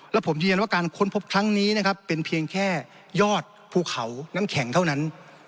แล้วผมยืนยันว่าการค้นพบครั้งนี้นะครับเป็นเพียงแค่ยอดภูเขาน้ำแข็งเท่านั้น